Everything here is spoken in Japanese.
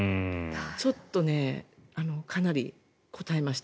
ちょっとかなりこたえました。